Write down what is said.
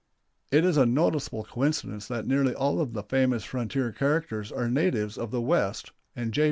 It is a noticeable coincidence that nearly all of the famous frontier characters are natives of the West, and J.